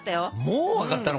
もう分かったの？